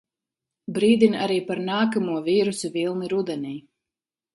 Brīdina arī par nākamo vīrusa vilni rudenī.